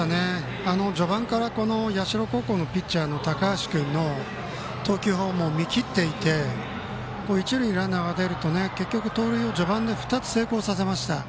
序盤から社高校のピッチャーの高橋君の投球フォームを見切っていて一塁にランナーが出ると盗塁を序盤で２つ成功させました。